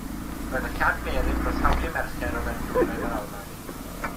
Roedd yn lladmerydd dros hawliau merched o fewn Dwyrain yr Almaen.